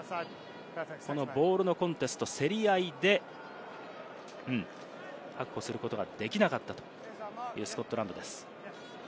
このボールのコンテスト、競り合いで確保することができなかったというスコットランドです。